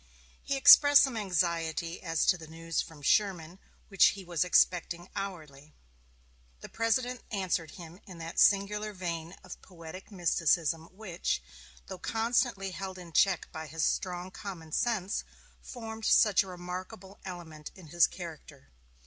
He expressed some anxiety as to the news from Sherman which he was expecting hourly. The President answered him in that singular vein of poetic mysticism which, though constantly held in check by his strong common sense, formed such a remarkable element in his character.